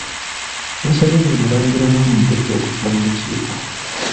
Yasabye buli mulangira n’omumbejja okujja mu lukiiko.